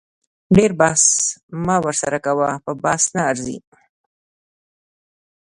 ډیر بحث مه ورسره کوه په بحث نه ارزي